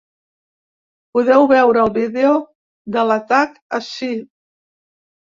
Podeu veure el vídeo de l’atac ací.